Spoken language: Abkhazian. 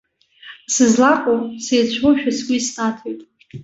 Сызлаҟоу сеицәоушәа сгәы иснаҭоит.